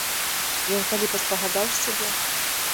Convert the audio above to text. Ён калі паспагадаў з цябе?